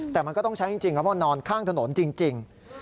แต่มันก็ต้องใช้จริงครับเพราะนอนข้างถนนจริง